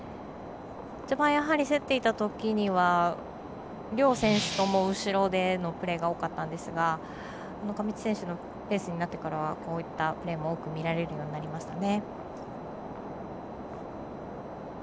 序盤、競っていたときには両選手とも、後ろでのプレーが多かったんですが、上地選手のペースになってからはこういったプレーも多く見られるようになりましたね。